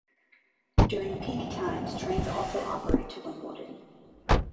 During peak times trains also operate to Wimbledon.